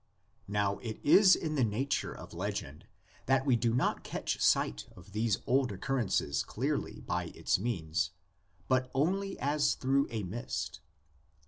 Now it is in the nature of legend that we do not catch sight of these old occurrences clearly by its means, but only as through a mist.